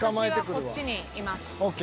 じゃ私はこっちにいます。ＯＫ。